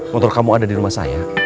motor kamu ada di rumah saya